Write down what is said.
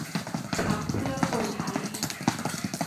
พรรคเพื่อคนไทย